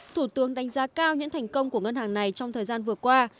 thủ tướng đánh giá cao những thành công của ngân hàng này trong thời gian vừa qua